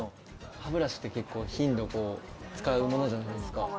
歯ブラシって結構、頻度使うものじゃないですか。